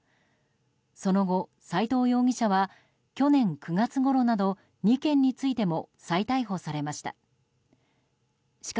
その後、斎藤容疑者は去年９月ごろなど２件についても再逮捕されました。